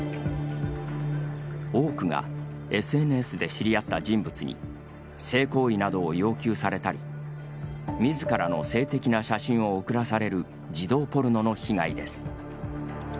多くがＳＮＳで知り合った人物に性行為などを要求されたり自らの性的な写真を送らされる児童ポルノの被害です。